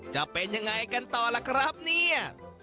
จะเป็นยังไงกันต่อล่ะครับเนี่ย